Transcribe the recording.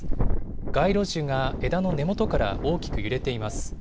街路樹が枝の根元から大きく揺れています。